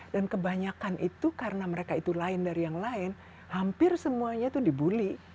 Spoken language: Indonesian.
dan kebanyakan itu karena mereka itu lain dari yang lain hampir semuanya itu di bully